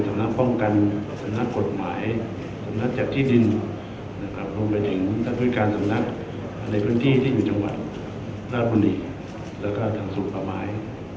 สำนักกฎหมายสำนักจากที่ดินลงไปถึงการสำนักในพื้นที่ที่อยู่ในจังหวัดราชบุรีและก็ทางศูนย์ประมาณ